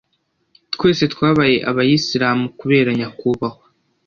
Twese twabaye abayisiramu kubera nyakubahwa.